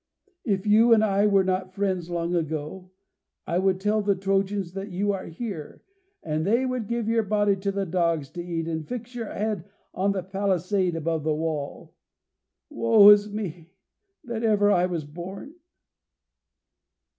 If you and I were not friends long ago, I would tell the Trojans that you are here, and they would give your body to the dogs to eat, and fix your head on the palisade above the wall. Woe is me that ever I was born."